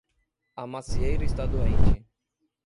A macieira está doente